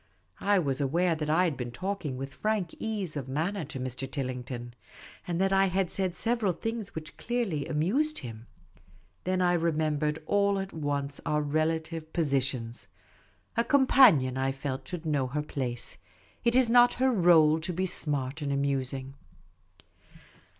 I was aware that I had been talking with frank ease of manner to Mr. Tillington, and that I had said several things which clearly amused him. Then I remembered all at once our relative positions. A companion, I felt, should know her place ; it is not her role to be smart and amusing.